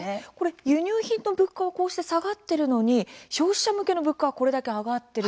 輸入品の物価が下がっているのに消費者向けの物価は上がっている。